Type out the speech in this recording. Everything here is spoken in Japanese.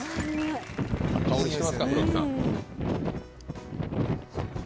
香りしてますか黒木さん。